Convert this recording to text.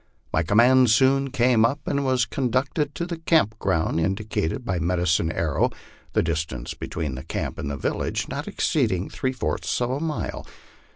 My command soon came up, and was conducted to the camp ground indicated by Medicine Arrow, the distance between the camp and the village not exceeding three fourths of a mile.